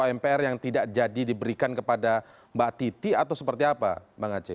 mbak titi apakah itu mpr yang tidak jadi diberikan kepada mbak titi atau seperti apa